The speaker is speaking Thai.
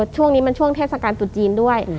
ช่วงนี้มันช่วงเทศกาลตรุษจีนด้วย